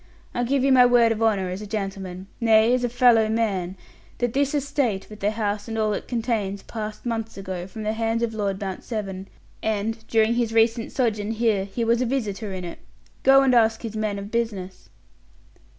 I give you my word of honor as a gentleman nay, as a fellow man that this estate, with the house and all it contains, passed months ago, from the hands of Lord Mount Severn; and, during his recent sojourn here, he was a visitor in it. Go and ask his men of business."